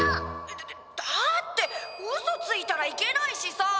「だだだってうそついたらいけないしさ」。